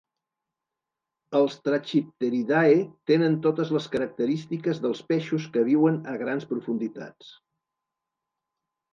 Els Trachipteridae tenen totes les característiques dels peixos que viuen a grans profunditats.